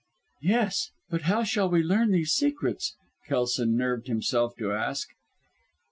"Yes, but how shall we learn these secrets?" Kelson nerved himself to ask.